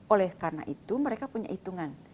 oleh karena itu mereka punya hitungan